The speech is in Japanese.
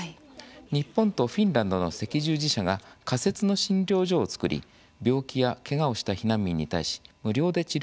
日本とフィンランドの赤十字社が仮設の診療所を作り病気やけがをした避難民に対し無料で治療が行われています。